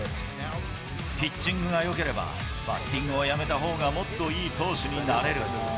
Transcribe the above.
ピッチングがよければ、バッティングをやめたほうがもっといい投手になれる。